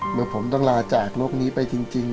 เมื่อผมต้องลาจากโลกนี้ไปจริง